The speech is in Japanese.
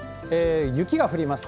雪が降ります。